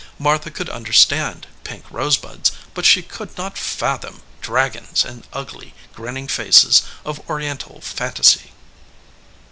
Martha could understand pink rosebuds, but she could not fathom dragons and ugly, grinning faces of Oriental fancy.